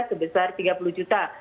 sebesar tiga puluh juta